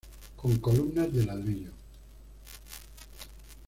Con columnas de ladrillo.